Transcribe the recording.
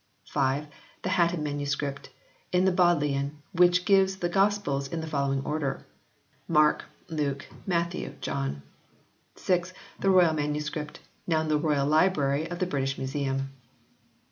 (5) The Hatton MS. in the Bodleian, which gives the Gospels in the following order Mark, Luke, Matthew, John ; (6) the Royal MS. now in the Royal Library in the British Museum.